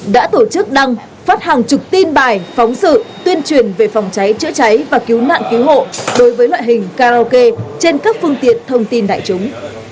đã tổ chức đăng phát hàng chục tin bài phóng sự tuyên truyền về phòng cháy chữa cháy và cứu nạn cứu hộ đối với loại hình karaoke trên các phương tiện thông tin đại chúng